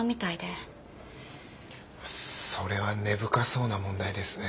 それは根深そうな問題ですね。